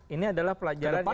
ini adalah pelajaran yang kedua